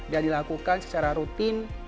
dan dilakukan secara rutin